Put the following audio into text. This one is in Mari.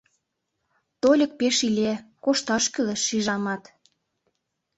Тольык пеш иле, кошташ кӱлеш, шижамат...»